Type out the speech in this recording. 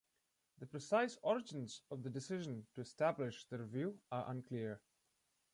The precise origins of the decision to establish the review are unclear.